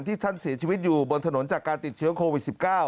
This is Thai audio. ท่านเสียชีวิตอยู่บนถนนจากการติดเชื้อโควิด๑๙